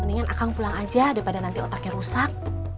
pendekan akang pulang aja daripada nanti otak rusak